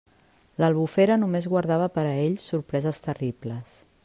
L'Albufera només guardava per a ell sorpreses terribles.